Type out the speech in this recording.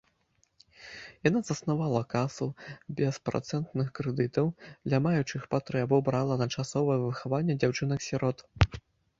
Яна заснавала касу беспрацэнтных крэдытаў для маючых патрэбу, брала на часовае выхаванне дзяўчынак-сірот.